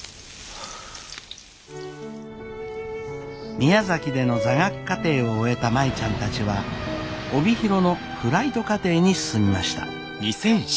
宮崎での座学課程を終えた舞ちゃんたちは帯広のフライト課程に進みました。